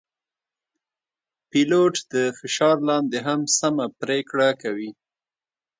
پیلوټ د فشار لاندې هم سمه پرېکړه کوي.